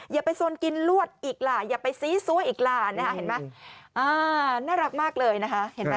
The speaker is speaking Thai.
อย่าไปซนกินลวดอีกล่ะอย่าไปซี้ซั่วอีกล่ะน่ารักมากเลยนะคะ